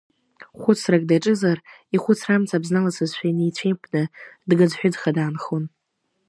Хәыцрак даҿызар, ихәыцра амцабз наласызшәа инеицәеимпны дгыӡҳәыӡха даанхон.